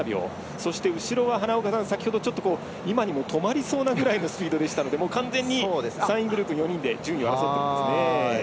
そして、後ろは先ほど、今にも止まりそうなぐらいのスピードでしたので完全に３位グループで順位を争っていますね。